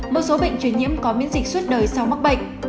một số bệnh truyền nhiễm có miễn dịch suốt đời sau mắc bệnh